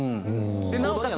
なおかつ